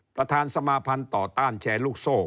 ประธานสมาภัณฑ์ต่อต้านแชร์ลูกโซ่